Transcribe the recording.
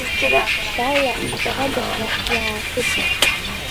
Ԥшьшьала ашьабысҭа иаахыҵит.